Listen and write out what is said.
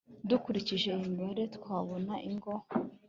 dukurikije iyi mibare twabona ingo